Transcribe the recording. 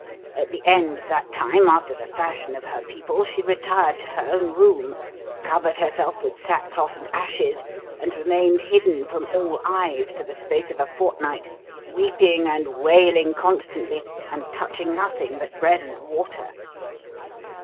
At the end of that time, after the fashion of her people, she retired to her own room, covered herself with sackcloth and ashes, and remained hidden from all eyes for the space of a fortnight, weeping and wailing constantly and touching nothing but bread and water."